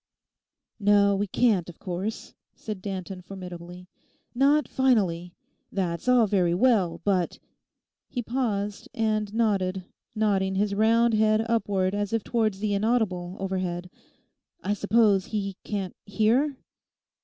'No, we can't, of course,' said Danton formidably. 'Not finally. That's all very well, but'—he paused, and nodded, nodding his round head upward as if towards the inaudible overhead, 'I suppose he can't _hear?